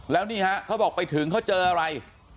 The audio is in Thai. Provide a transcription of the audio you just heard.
แล้วนี่ฮะเขาบอกไปถึงเขาเจออะไร